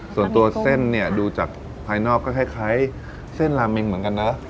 ส่วนตัวเส้นเนี่ยดูจากภายนอกก็คล้ายเส้นลาเมงเหมือนกันเนอะ